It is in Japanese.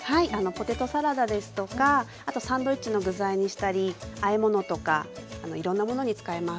ポテトサラダですとかあとサンドイッチの具材にしたりあえ物とかいろんなものに使えます。